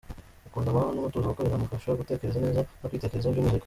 Akunda amahoro n’umutuzo kuko binamufasha gutekereza neza no kwitekerezaho by’umwihariko.